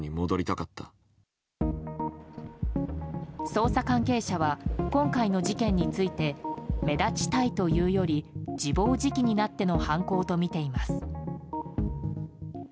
捜査関係者は今回の事件について目立ちたいというより自暴自棄になっての犯行とみています。